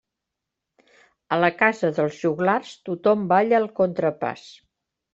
A la casa dels joglars, tothom balla el contrapàs.